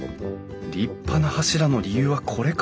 立派な柱の理由はこれか。